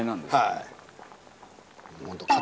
はい。